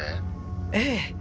ええ。